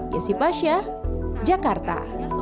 yesi pasha jakarta